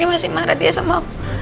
ini masih marah dia sama